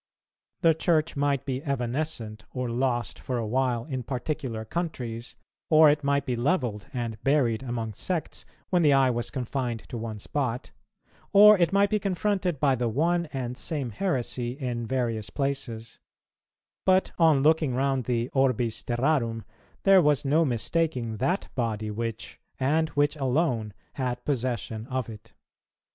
The Church might be evanescent or lost for a while in particular countries, or it might be levelled and buried among sects, when the eye was confined to one spot, or it might be confronted by the one and same heresy in various places; but, on looking round the orbis terrarum, there was no mistaking that body which, and which alone, had possession of it.